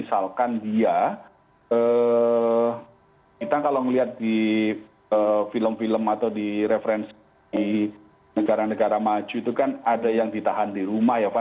misalkan dia kita kalau melihat di film film atau di referensi di negara negara maju itu kan ada yang ditahan di rumah ya pak